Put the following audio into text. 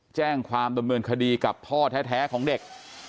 แจ้งความดำเนินคดีกับพ่อแท้ของเด็ก